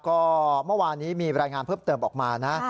ก็เมื่อวานนี้มีรายงานเพิ่มเติมออกมานะ